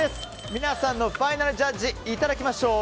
皆さんのファイナルジャッジいただきましょう。